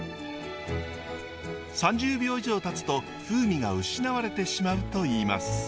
３０秒以上たつと風味が失われてしまうといいます。